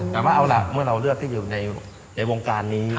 แต่ว่าเอาล่ะเมื่อเราเลือกที่อยู่ในวงการนี้